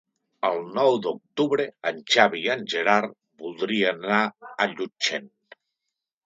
El nou d'octubre en Xavi i en Gerard voldrien anar a Llutxent.